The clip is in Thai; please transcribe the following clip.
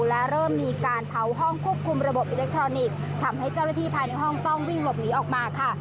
และเริ่มมีการเผาห้องควบคุมระบบอิเล็กทรอนิกส์ทำให้เจ้าหน้าที่ภายในห้องต้องวิ่งหลบหนีออกมาค่ะ